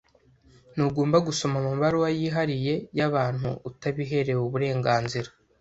Ntugomba gusoma amabaruwa yihariye yabantu utabiherewe uburenganzira.